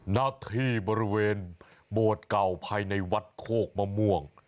หน้าที่บริเวณโบสถ์เก่าภายในวัดโคกมะม่วง